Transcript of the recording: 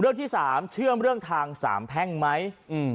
เรื่องที่สามเชื่อเรื่องทางสามแพ่งไหมอืม